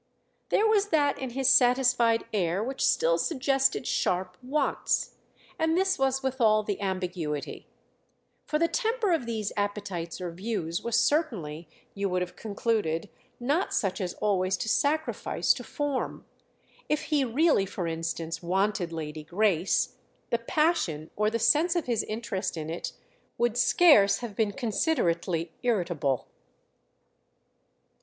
There was that in his satisfied air which still suggested sharp wants—and this was withal the ambiguity; for the temper of these appetites or views was certainly, you would have concluded, not such as always to sacrifice to form. If he really, for instance, wanted Lady Grace, the passion or the sense of his interest in it would scarce have been considerately irritable.